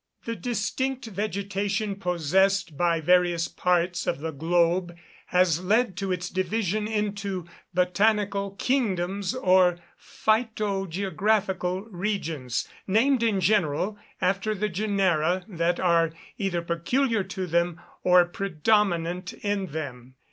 The distinct vegetation possessed by various parts of the globe, has led to its division into botanical kingdoms or phyto geographical regions, named in general after the genera that are either peculiar to them, or predominant in them.